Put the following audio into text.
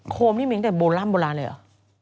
โคมนี่มีมาตั้งแต่โบราณเลยเหรอ